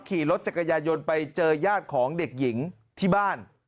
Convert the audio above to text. ขี่รถจักรยายนไปเจอญาติของเด็กหญิงที่บ้าน